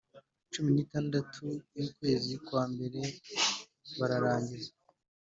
Cumi N Itandatu W Ukwezi Kwa Mbere Bararangiza